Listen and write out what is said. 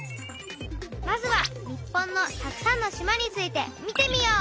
まずは「日本のたくさんの島」について見てみよう。